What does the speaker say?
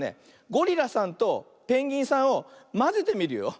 ゴリラさんとペンギンさんをまぜてみるよ。